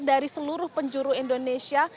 dari seluruh penjuru indonesia